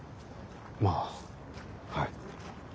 まあはい。